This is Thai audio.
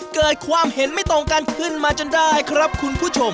เกิดความเห็นไม่ตรงกันขึ้นมาจนได้ครับคุณผู้ชม